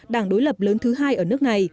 đảng đối lập lớn thứ hai ở nước này